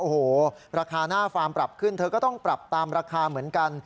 โอ้โหราคาหน้าฟาร์มปรับขึ้นเธอก็ต้องปรับตามราคาเหมือนกัน